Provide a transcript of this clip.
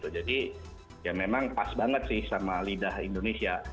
jadi ya memang pas banget sih sama lidah indonesia